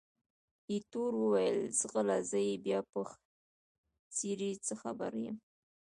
ایټور وویل، ځغله! زه یې بیا په څېرې څه خبر یم؟